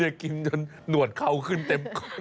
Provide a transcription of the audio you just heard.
นี่กินจนหนวดเข่าขึ้นเต็มปาก